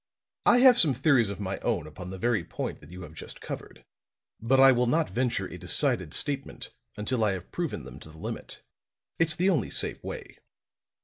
I have some theories of my own upon the very point that you have just covered, but I will not venture a decided statement until I have proven them to the limit. It's the only safe way."